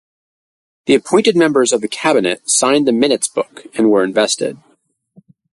The appointed members of the Cabinet signed the Minutes Book and were invested.